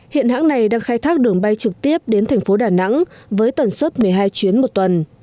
hiện hãng này đang khai thác đường bay trực tiếp đến thành phố đà nẵng với tần suất một mươi hai chuyến một tuần